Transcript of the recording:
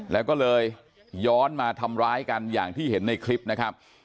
แล้วก็เลยย้อนมาทำร้ายกันอย่างที่เห็นในคลิปนะครับ